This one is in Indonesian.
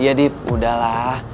iya dip udahlah